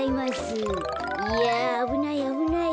いやあぶないあぶない。